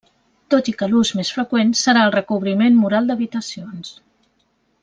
Tot i que l'ús més freqüent serà el recobriment mural d'habitacions.